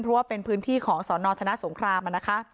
เพราะว่าเป็นพื้นที่ของสนชนะสงครามนะคะ